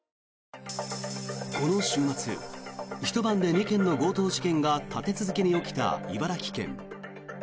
この週末ひと晩で２件の強盗事件が立て続けに起きた茨城県。